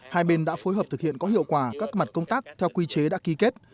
hai bên đã phối hợp thực hiện có hiệu quả các mặt công tác theo quy chế đã ký kết